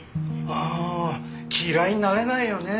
あ嫌いになれないよね